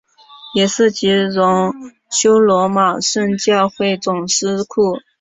也是及荣休罗马圣教会总司库。